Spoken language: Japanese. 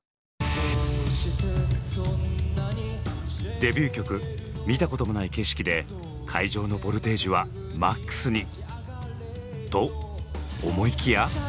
デビュー曲「見たこともない景色」で会場のボルテージはマックスに。と思いきや。